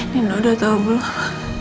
nino udah tau belum